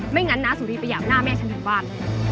งั้นน้าสุรีประหยาบหน้าแม่ฉันถึงบ้าน